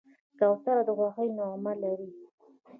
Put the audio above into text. کوتره د خوښۍ نغمه لري.